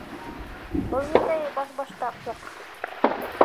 — Был ниндәй башбаштаҡлыҡ!